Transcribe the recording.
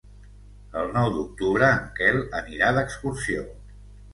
El nou d'octubre en Quel anirà d'excursió.